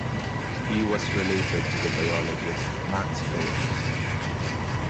He was related to the biologist Max Perutz.